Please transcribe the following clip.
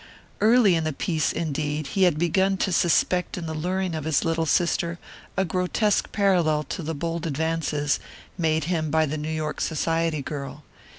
Early in the piece, indeed, he had begun to suspect in the luring of his little sister a grotesque parallel to the bold advances made him by the New York society girl.